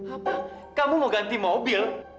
apa kamu mau ganti mobil